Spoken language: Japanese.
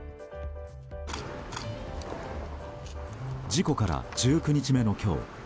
事故から１９日目の今日